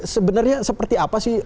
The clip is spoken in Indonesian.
sebenarnya seperti apa sih